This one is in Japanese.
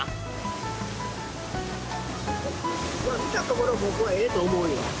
見たところ僕はええと思うよ。